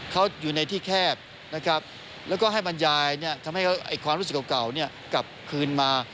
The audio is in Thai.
เขาอยู่ในที่แคบนะครับแล้วก็ให้บรรยายทำให้ความรู้สึกเก่ากลับคืนมา